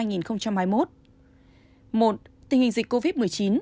một tình hình dịch covid một mươi chín